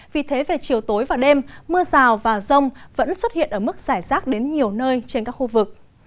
vì thế về chiều tối và đêm mưa rào và rông vẫn xuất hiện ở mức giải rác đến nhiều nơi trên các khu vực